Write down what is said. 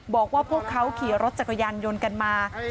บอกว่าพวกเขาขี่รถจักรยานยนต์กันมา